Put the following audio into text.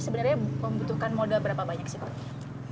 sebenarnya membutuhkan modal berapa banyak sih pak